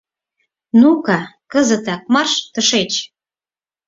— Ну-ка, кызытак марш тышеч!